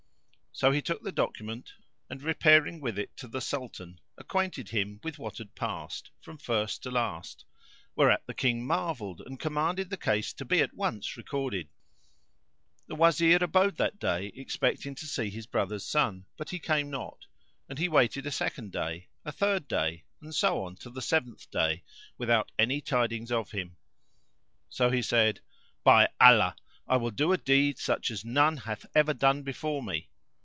So he took the document and, repairing with it to the Sultan, acquainted him with what had passed, from first to last; whereat the King marvelled and commanded the case to be at once recorded. [FN#444] The Wazir abode that day expecting to see his brother's son but he came not; and he waited a second day, a third day and so on to the seventh day, without any tidings of him. So he said, "By Allah, I will do a deed such as none hath ever done before me!"